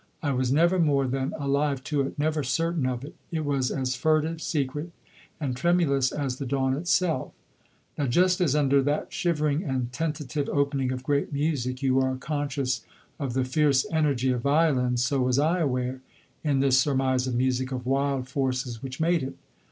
I was never more than alive to it, never certain of it. It was as furtive, secret, and tremulous as the dawn itself. Now, just as under that shivering and tentative opening of great music you are conscious of the fierce energy of violins, so was I aware, in this surmise of music, of wild forces which made it.